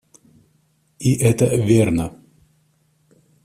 И это верно.